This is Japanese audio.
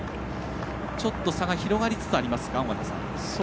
ちょっと差が広がりつつありますか。